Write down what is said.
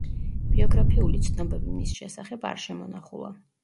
ბიოგრაფიული ცნობები მის შესახებ არ შემონახულა.